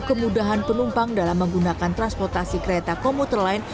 kemudahan penumpang dalam menggunakan transportasi kereta komuter lain